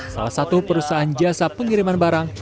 salah satu perusahaan jasa pengiriman barang